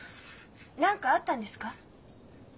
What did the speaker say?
何かあったんですか？